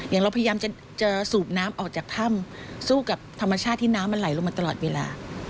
อย่างเราพยายามจะสูบน้ำออกจากถ้ำสู้กับธรรมชาติที่น้ำมันไหลลงมาตลอดเวลา